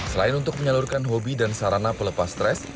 selain untuk menyalurkan hobi dan sarana pelepas stres